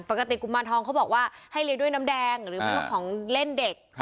กุมารทองเขาบอกว่าให้เลี้ยงด้วยน้ำแดงหรือมันก็ของเล่นเด็ก